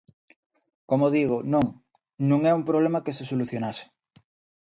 Como digo, non, non é un problema que se solucionase.